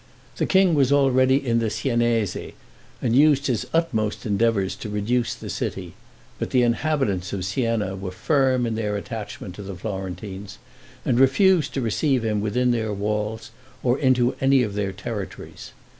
The king was already in the Siennese, and used his utmost endeavors to reduce the city, but the inhabitants of Sienna were firm in their attachment to the Florentines, and refused to receive him within their walls or into any of their territories.